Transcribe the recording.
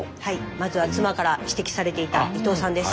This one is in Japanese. まずは妻から指摘されていた伊藤さんです。